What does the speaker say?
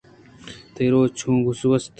تئی روچ چون گوست ؟